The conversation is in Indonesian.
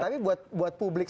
tapi buat publik